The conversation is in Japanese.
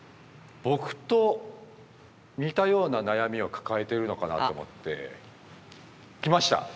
僕と似たような悩みを抱えてるのかなと思って来ました。